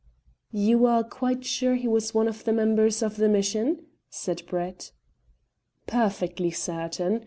"You are quite sure he was one of the members of the mission?" said Brett. "Perfectly certain.